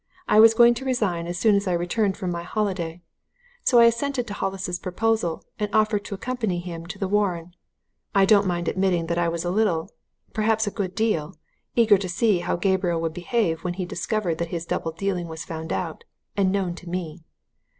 I was going to resign as soon as I returned from my holiday. So I assented to Hollis's proposal, and offered to accompany him to the Warren I don't mind admitting that I was a little perhaps a good deal eager to see how Gabriel would behave when he discovered that his double dealing was found out and known to me.